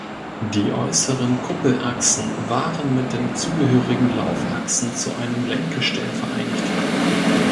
Die äusseren Kuppelachsen waren mit den zugehörigen Laufachsen zu einem Lenkgestell vereinigt.